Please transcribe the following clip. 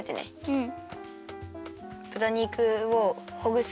うん。